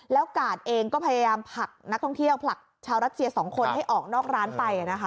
แล้วกาดเองก็พยายามผลักนักท่องเที่ยวผลักชาวรัสเซีย๒คนให้ออกนอกร้านไป